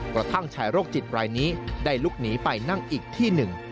กระทั่งชายโรคจิตรายนี้ได้ลุกหนีไปนั่งอีกที่หนึ่ง